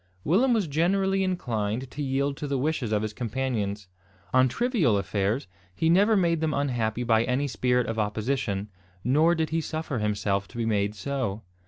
Willem was generally inclined to yield to the wishes of his companions. On trivial affairs, he never made them unhappy by any spirit of opposition, nor did he suffer himself to be made so.